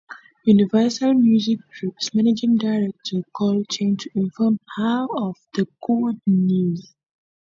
Universal Music Group's managing director called Chen to inform her of the good news.